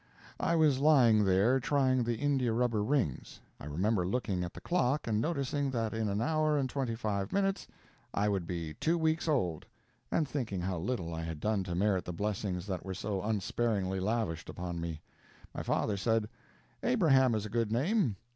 I was lying there trying the India rubber rings. I remember looking at the clock and noticing that in an hour and twenty five minutes I would be two weeks old, and thinking how little I had done to merit the blessings that were so unsparingly lavished upon me. My father said: "Abraham is a good name.